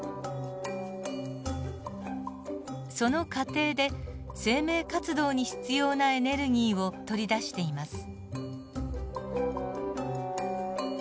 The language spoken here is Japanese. その過程で生命活動に必要なエネルギーを取り出しています。